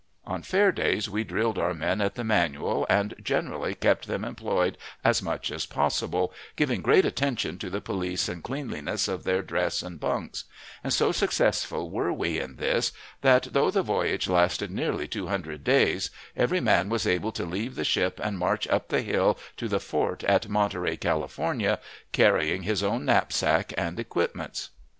On fair days we drilled our men at the manual, and generally kept them employed as much as possible, giving great attention to the police and cleanliness of their dress and bunks; and so successful were we in this, that, though the voyage lasted nearly two hundred days, every man was able to leave the ship and march up the hill to the fort at Monterey, California, carrying his own knapsack and equipments.